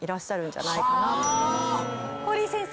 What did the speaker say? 堀井先生。